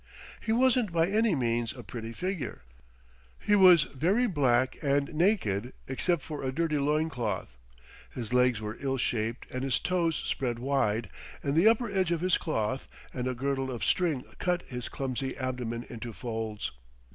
He wasn't by any means a pretty figure. He was very black and naked except for a dirty loin cloth, his legs were ill shaped and his toes spread wide and the upper edge of his cloth and a girdle of string cut his clumsy abdomen into folds.